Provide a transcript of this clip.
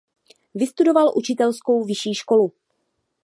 Vystudoval učitelskou vyšší školu.